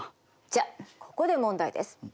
じゃここで問題です。